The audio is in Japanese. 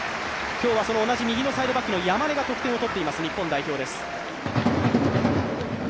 今日は同じ右のサイドバックの山根が得点を取っています、日本代表です。